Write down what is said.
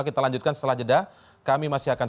kita lanjutkan setelah jeda kami masih akan